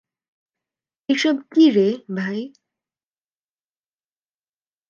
এইসব কীরে, ভাই?